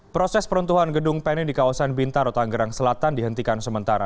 proses peruntuhan gedung penny di kawasan bintaro tanggerang selatan dihentikan sementara